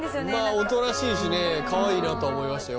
おとなしいしねかわいいなと思いましたよ